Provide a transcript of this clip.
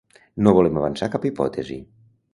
No volem avançar cap hipòtesi.